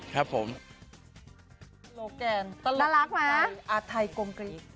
อ๋อเหรอตลกแก่นอาทัยกมกิ๊กอื้ม